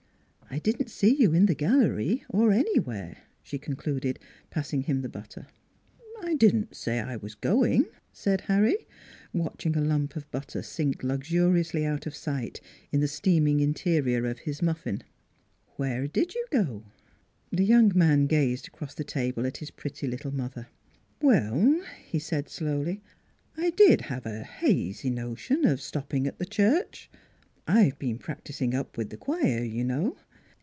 " I didn't see you in the gallery, or anywhere," she concluded, passing him the butter. " I didn't say I was going," said Harry, watching a lump of butter sink luxuriously out of sight in the steaming interior of his muffin. "Where did you go?" The young man gazed across the table at his pretty little mother. " Well," he said slowly, " I did have a hazy notion of stopping at the church. I've been prac ticing up with the choir, you know."